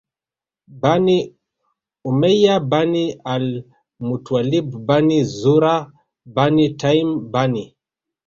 Bani Umayyah Bani al Muttwalib Bani Zuhrah Bani Taym Bani